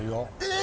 え！